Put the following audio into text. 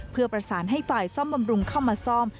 เพื่อประสานให้ฝ่ายซ่อมบำรุงเข้ามาซ่อม